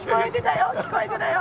聞こえてたよ！